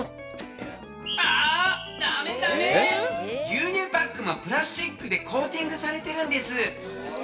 牛乳パックもプラスチックでコーティングされてるんです！